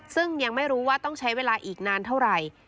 ซึ่งยังไม่รู้ว่าต้องใช้เวลาอีกนานเท่าไหร่